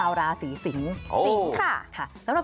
สวัสดีค่ะ